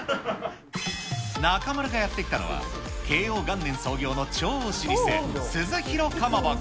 中丸がやって来たのは、慶応元年創業の超老舗、鈴廣かまぼこ。